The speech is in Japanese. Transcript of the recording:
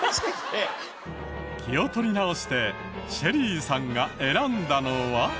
気を取り直してＳＨＥＬＬＹさんが選んだのは？